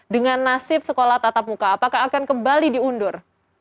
dengan nasib sekolah tatap muka apakah akan kembali diundur